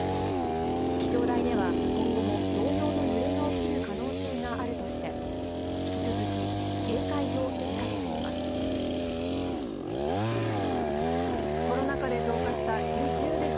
気象台では今後も、同様の揺れが起きる可能性があるとして、引き続き、警戒を呼びかけています。